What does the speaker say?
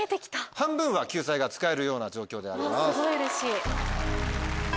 半分は救済が使えるような状況であります。